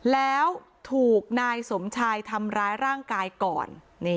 แล้วถูกนายสมชายทำร้ายร่างกายก่อน